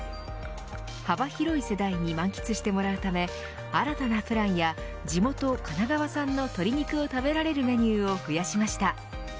幅広い世代に満喫してもらうため新たなプランや地元神奈川産の鶏肉を食べられるメニューを増やしました。